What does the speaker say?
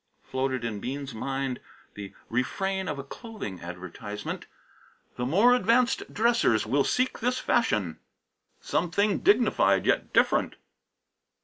Floated in Bean's mind the refrain of a clothing advertisement. "The more advanced dressers will seek this fashion." "Something dignified yet different!"